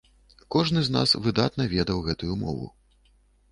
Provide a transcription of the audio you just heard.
Кожны з нас выдатна ведаў гэтую мову.